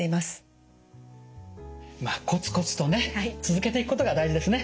まあコツコツとね続けていくことが大事ですね